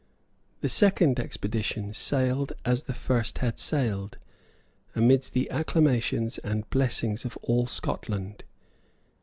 The second expedition sailed as the first had sailed, amidst the acclamations and blessings of all Scotland.